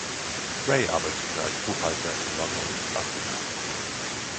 Ray arbeitete als Buchhalter in London und in Afrika.